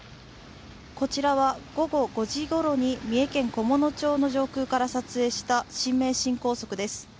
こちらは午後５時ごろに三重県菰野町の上空から撮影した新名神高速です。